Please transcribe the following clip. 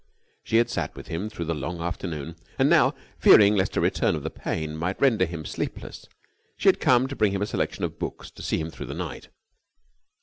She had sat with him through the long afternoon. And now, fearing lest a return of the pain might render him sleepless, she had come to bring him a selection of books to see him through the night.